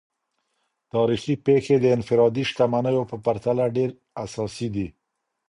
تاریخي پیښې د انفرادي شتمنیو په پرتله ډیر اساسي دي.